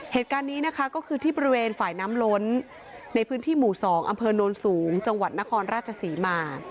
เหตุการณ์นี้นะคะก็คือที่บริเวณฝ่ายน้ำล้นในพื้นที่หมู่๒อำเภอโน้นสูงจังหวัดนครราชศรีมา